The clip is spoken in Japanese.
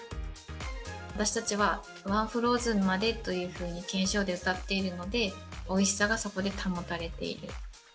私たちはワンフローズンまでというふうに憲章でうたっているので、おいしさがそこで保たれている。